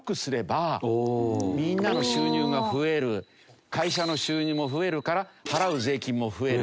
みんなの収入が増える会社の収入も増えるから払う税金も増える。